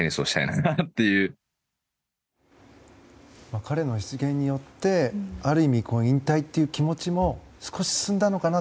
彼の出現によってある意味、引退という気持ちも少し進んだのかなって